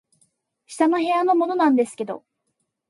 「下の部屋のものなんですけど」